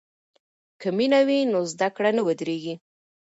که مینه وي نو زده کړه نه ودریږي.